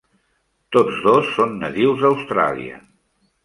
Tots dos són nadius d'Austràlia.